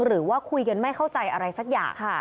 หรือว่าคุยกันไม่เข้าใจอะไรสักอย่างค่ะ